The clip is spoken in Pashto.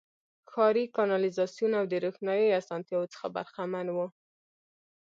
ښاري کانالیزاسیون او د روښنايي اسانتیاوو څخه برخمن وو.